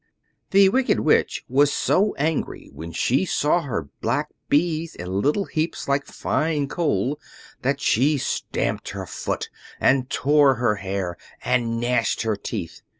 The Wicked Witch was so angry when she saw her black bees in little heaps like fine coal that she stamped her foot and tore her hair and gnashed her teeth.